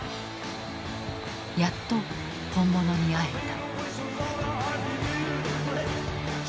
やっと本物に会えた。